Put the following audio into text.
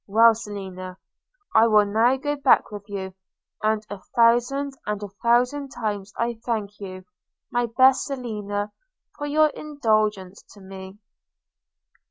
– Well, Selina, I will now go back with you; and a thousand and a thousand times I thank you, my best Selina, for your indulgence to me.'